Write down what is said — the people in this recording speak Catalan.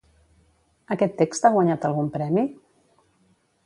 Aquest text ha guanyat algun premi?